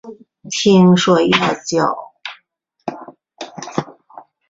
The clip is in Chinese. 听说要架脚架才行